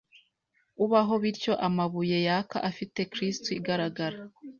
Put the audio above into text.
Ubaho bityo amabuye yaka afite kristu igaragara